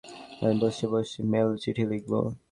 আমি বসে বসে মেইলে চিঠি লিখবো?